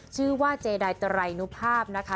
ชื่อว่าเจดายไตรนุภาพนะคะ